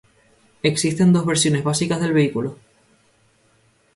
Existen dos versiones básicas del vehículo.